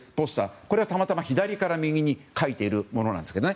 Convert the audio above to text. これは右から左に書いてあるものなんですけどね。